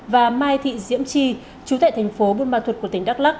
và mai thị diễm chi chú tệ thành phố bôn ma thuật của tỉnh đắk lắc